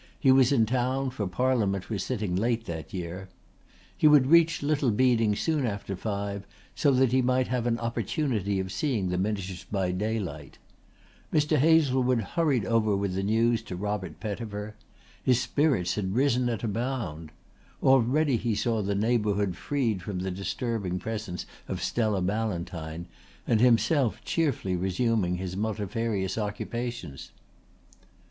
He was in town, for Parliament was sitting late that year. He would reach Little Beeding soon after five so that he might have an opportunity of seeing the miniatures by daylight. Mr. Hazlewood hurried over with the news to Robert Pettifer. His spirits had risen at a bound. Already he saw the neighbourhood freed from the disturbing presence of Stella Ballantyne and himself cheerfully resuming his multifarious occupations.